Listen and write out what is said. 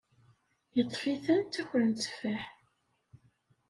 Yeṭṭef-iten ttakren tteffaḥ.